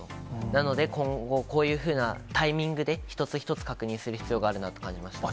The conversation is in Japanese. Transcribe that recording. なので、今後、こういうふうなタイミングで、一つ一つ確認する必要があるなって感じました。